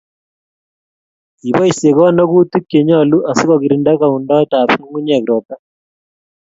Kiboisie konogutik chenyolu asikogirinda kaundoetap ngungunyek ropta